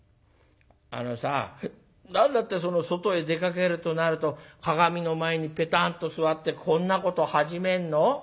あのさ何だってその外へ出かけるとなると鏡の前にぺたんと座ってこんなこと始めるの。